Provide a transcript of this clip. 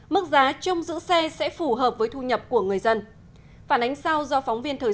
mức giá chung giữ xe sẽ phù hợp